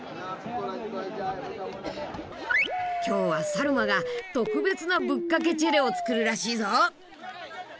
今日はサルマが特別なぶっかけチェレを作るらしいぞ。